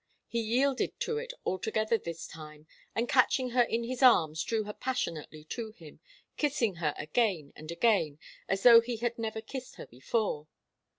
He yielded to it altogether this time, and catching her in his arms drew her passionately to him, kissing her again and again, as though he had never kissed her before.